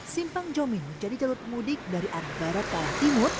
simpang jomin menjadi jalur pemudik dari arah barat ke arah timur